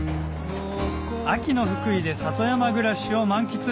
秋の福井で里山暮らしを満喫